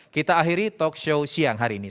kita akhiri talk show siang hari ini